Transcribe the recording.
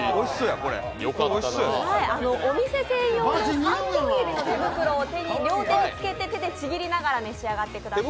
お店専用の三本指の手袋を両手につけて、手でちぎりながら食べてください。